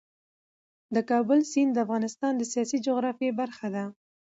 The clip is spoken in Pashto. د کابل سیند د افغانستان د سیاسي جغرافیې برخه ده.